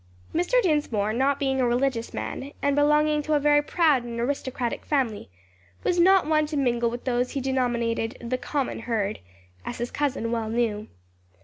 Mr. Dinsmore, not being a religious man, and belonging to a very proud and aristocratic family, was not one to mingle with those he denominated "the common herd," as his cousin well knew.